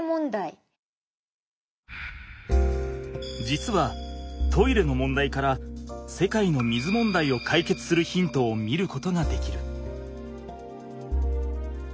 実はトイレの問題から世界の水問題を解決するヒントを見ることができる。